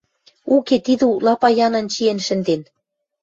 Уке, тидӹ утла паянын чиэн шӹнден.